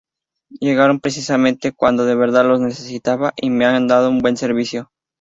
Llegaron precisamente cuando de verdad los necesitaba y me han dado un buen servicio.